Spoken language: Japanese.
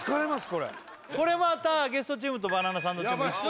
これこれまたゲストチームとバナナサンドチーム１ポイント